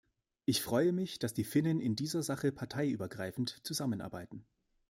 Ich freue mich, dass die Finnen in dieser Sache parteiübergreifend zusammenarbeiten.